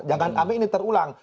jangan sampai ini terulang